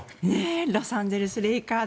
ロサンゼルス・レイカーズ。